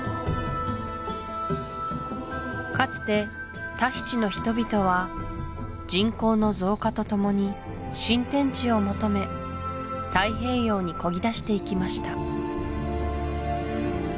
かつてタヒチの人々は人口の増加とともに新天地を求め太平洋にこぎ出していきました